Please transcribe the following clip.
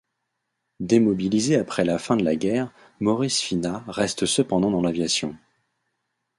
Démobilisé après la fin de la guerre, Maurice Finat reste cependant dans l'aviation.